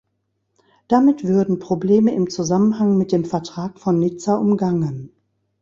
Damit würden Probleme im Zusammenhang mit dem Vertrag von Nizza umgangen.